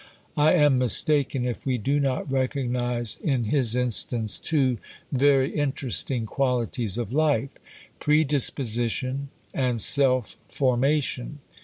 I am mistaken, if we do not recognise in his instance two very interesting qualities of life: predisposition and self formation.